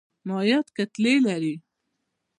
مایعات کتلې لري.